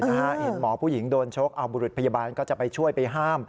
เห็นหมอผู้หญิงโดนชกเอาบุรุษพยาบาลก็จะไปช่วยไปห้าม